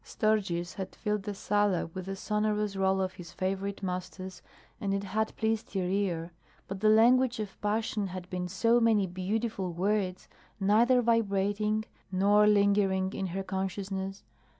Sturgis had filled the sala with the sonorous roll of his favorite masters and it had pleased her ear; but the language of passion had been so many beautiful words, neither vibrating nor lingering in her consciousness.